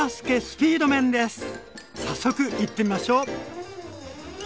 早速いってみましょう！